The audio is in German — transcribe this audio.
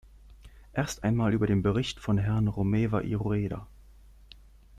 Erst einmal über den Bericht von Herrn Romeva i Rueda.